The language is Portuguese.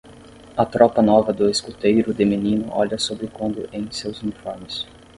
A tropa nova do escuteiro de menino olha sobre quando em seus uniformes.